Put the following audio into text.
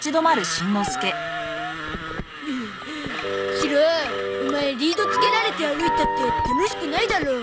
シロオマエリードつけられて歩いたって楽しくないだろう？